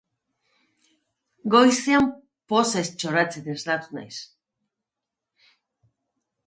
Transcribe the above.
Goizean pozez txoratzen esnatu naiz.